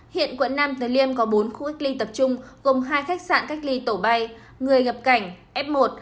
hiện quận nam tuyên liêm có bốn khu cách ly tập trung gồm hai khách sạn cách ly tổ bay người gặp cảnh f một